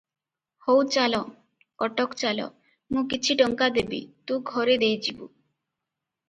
ହଉ ଚାଲ, କଟକ ଚାଲ, ମୁଁ କିଛି ଟଙ୍କା ଦେବି, ତୁ ଘରେ ଦେଇଯିବୁ ।